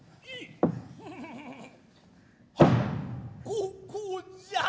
ここじゃ。